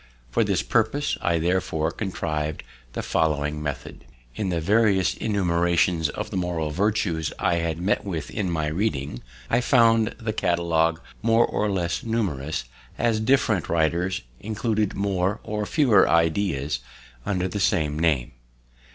For this purpose I therefore contrived the following method. Compare Philippians iv, 8. In the various enumerations of the moral virtues I had met with in my reading, I found the catalogue more or less numerous, as different writers included more or fewer ideas under the same name.